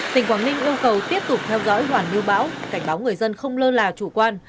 tỉnh quảng ninh yêu cầu tiếp tục theo dõi hoàn lưu bão cảnh báo người dân không lơ là chủ quan